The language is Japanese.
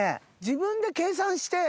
自分で計算して。